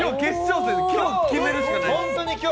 今日決めるしかない。